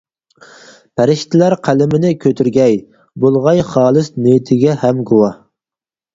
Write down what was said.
پەرىشتىلەر قەلىمىنى كۆتۈرگەي، بولغاي خالىس نىيىتىگە ھەم گۇۋاھ.